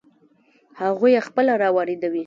هغوی یې خپله را واردوي.